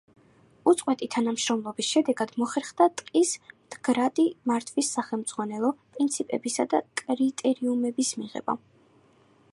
უწყვეტი თანამშრომლობის შედეგად მოხერხდა ტყის მდგრადი მართვის სახელმძღვანელო პრინციპებისა და კრიტერიუმების მიღება.